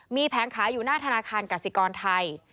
มีแผงขายอยู่หน้าธนาคารกสิกรไทย